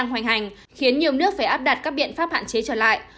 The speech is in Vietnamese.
hoành hành khiến nhiều nước phải áp đặt các biện pháp hạn chế trở lại